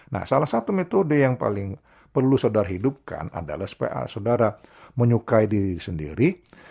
nah salah satu metode yang paling perlu saudara hidupkan adalah supaya saudara menyukai diri sendiri